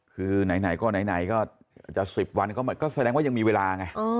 คือไหนก็จะสิบวันก็แสดงว่ายังมีเวลาไง